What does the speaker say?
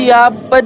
dia menangkap david